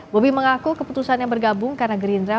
bobi mengaku keputusan yang bergabung karena gerindra